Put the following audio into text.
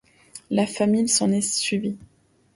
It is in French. La famine s'en est suivie.